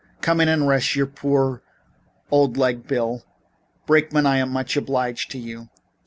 Come in and rest your poor old game leg, Bill. Brake man, I'm much obliged to you."